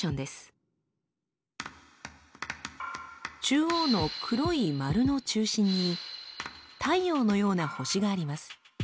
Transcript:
中央の黒い丸の中心に太陽のような星があります。